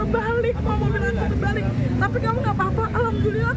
mau mobil aku terbalik tapi kamu nggak apa apa alhamdulillah aku nggak apa apa